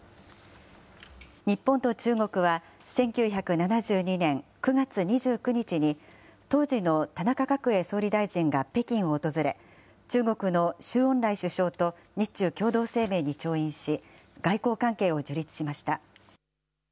日本と中国は、１９７２年９月２９日に、当時の田中角栄総理大臣が北京を訪れ、中国の周恩来首相と日中共同声明に調印し、外交関係を樹立しました。